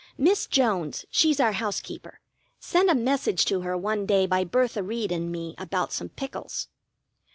Miss Jones, she's our housekeeper, sent a message to her one day by Bertha Reed and me about some pickles.